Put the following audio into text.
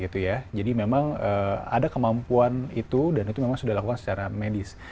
gitu ya jadi memang ada kemampuan itu dan itu memang sudah dilakukan secara medis